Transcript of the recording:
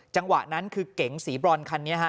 จังหวะนั้นคือเก๋งสีบรอนคันนี้ฮะ